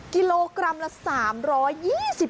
กิโลกรัมละ๓๒๐บาท